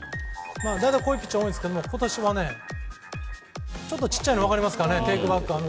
こういうピッチャーが多いんですけど今年はちょっと小さいの分かりますかねテークバックが。